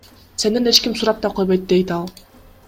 Сенден эч ким сурап да койбойт, — дейт ал.